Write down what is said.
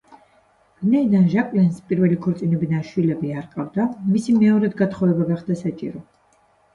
ვინაიდან ჟაკლინს პირველი ქორწინებიდან შვილები არ ჰყავდა, მისი მეორედ გათხოვება გახდა საჭირო.